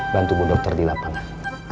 bantu bu dokter di lapangan